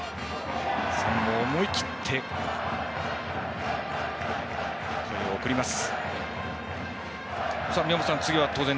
ファンも思い切って声を送ります。